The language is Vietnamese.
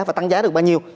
và tăng giá được bao nhiêu